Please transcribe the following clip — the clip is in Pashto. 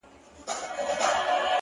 غواړم د پېړۍ لپاره مست جام د نشیې ‘